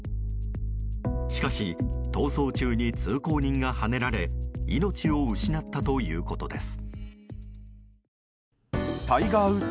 しかし逃走中に通行人がはねられ命を失ったということです。